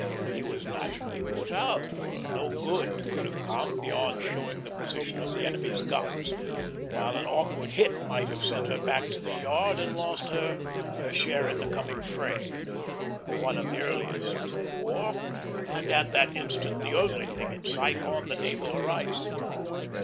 He was naturally put out, for no good could have come, beyond showing the position of the enemy's guns; while an awkward hit might have sent her back to the yard and lost her her share in the coming fray, one of the earliest in the war, and at that instant the only thing in sight on the naval horizon.